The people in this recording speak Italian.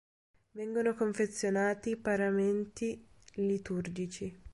Vengono confezionati paramenti liturgici.